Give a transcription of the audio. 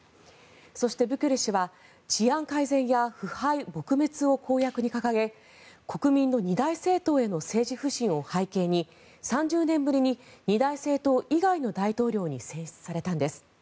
そしてブケレ氏は治安改善や腐敗撲滅を公約に掲げ国民の二大政党への政治不信を背景に３０年ぶりに二大政党以外の大統領に選出されたんです。